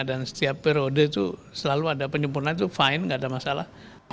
dan setiap periode itu selalu ada penyempurnaan itu fine tidak ada masalah